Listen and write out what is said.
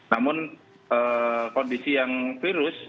namun kondisi yang virus